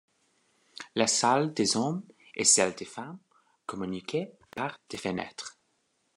La salle des hommes et celle des femmes communiquaient par des fenêtres.